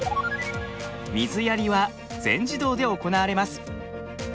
水やりは全自動で行われます。